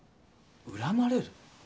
恨まれる？